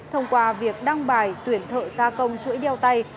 thông qua việc đăng bài tuyển thợ gia công chuỗi đeo tay